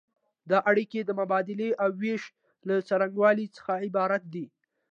دا اړیکې د مبادلې او ویش له څرنګوالي څخه عبارت دي.